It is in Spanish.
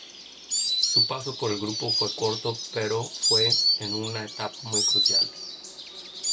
Su paso por el grupo fue corto pero fue en una etapa muy crucial.